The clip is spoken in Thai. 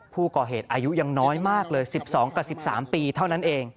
ผู้ก่อเหตุอายุยังน้อยมากเลย๑๒กับ๑๓ปีเท่านั้นเอง